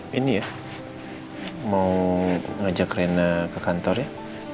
besok saya mau ngajak rena ke kantor ya